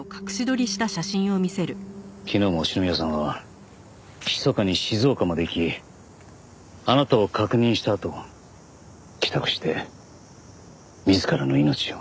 昨日も篠宮さんはひそかに静岡まで行きあなたを確認したあと帰宅して自らの命を。